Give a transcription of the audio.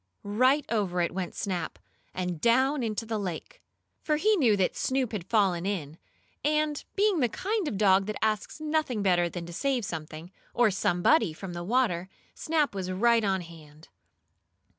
Right over it went Snap, and down into the lake. For he knew that Snoop had fallen in, and, being the kind of a dog that asks nothing better than to save something, or somebody, from the water, Snap was right on hand.